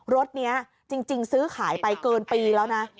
รถนี้จริงซื้อขายไปเกินปีแล้วนะ